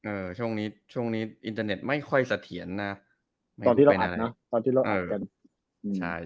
ช่วงนี้ช่วงนี้อินเทอร์เน็ตไม่ค่อยเสถียรนะตอนที่เราอัดเนอะตอนที่เราอัดกันอืมใช่